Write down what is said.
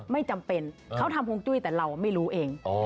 ไม่จำเป็นเขาทำฮวงจุ้ยแต่เราไม่รู้เอง